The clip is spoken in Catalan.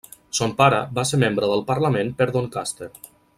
Son pare va ser membre del parlament per Doncaster.